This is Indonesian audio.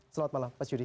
selamat malam pak yudi